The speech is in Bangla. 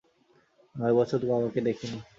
নয় বছর বাবাকে দেখিনি।